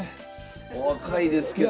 お若いですけども。